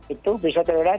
itu bisa terurai